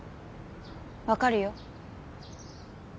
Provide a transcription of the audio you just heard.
わかるよ。